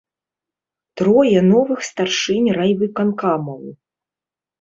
Трое новых старшынь райвыканкамаў.